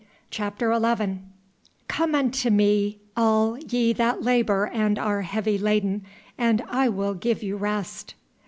CHAPTER XI "Come unto Me, all ye that labour and are heavy laden, and I will give you rest."